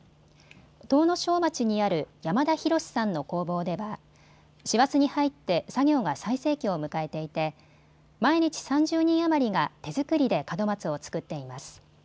東庄町にある山田博志さんの工房では師走に入って作業が最盛期を迎えていて毎日３０人余りが手作りで門松を作っています。